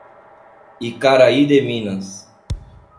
Icaraí de Minas